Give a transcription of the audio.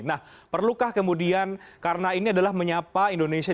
nah perlukah kemudian karena ini adalah menyapa indonesia